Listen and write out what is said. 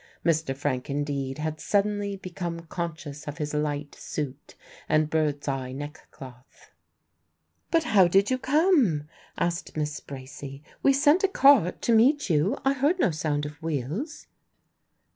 Mr. Frank indeed had suddenly become conscious of his light suit and bird's eye neckcloth. "But how did you come?" asked Miss Bracy. "We sent a cart to meet you I heard no sound of wheels."